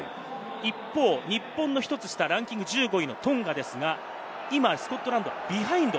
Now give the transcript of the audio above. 一方、日本の１つ下、ランキング１５位のトンガですが、今スコットランド、ビハインド。